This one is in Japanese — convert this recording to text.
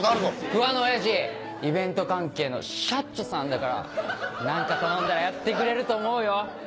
不破の親父イベント関係のシャッチョさんだから何か頼んだらやってくれると思うよ。